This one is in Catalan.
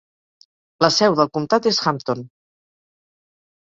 La seu del comtat és Hampton.